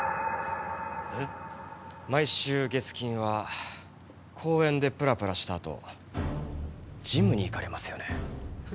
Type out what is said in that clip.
えっ？毎週月金は公園でぷらぷらしたあとジムに行かれますよね？